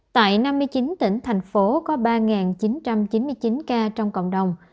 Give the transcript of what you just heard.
tại năm mươi chín tỉnh thành phố có ba chín trăm chín mươi chín ca trong cộng đồng